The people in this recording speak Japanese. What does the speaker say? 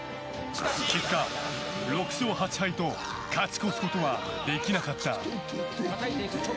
結果６勝８敗と勝ち越すことはできなかった。